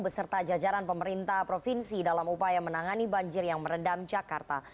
beserta jajaran pemerintah provinsi dalam upaya menangani banjir yang merendam jakarta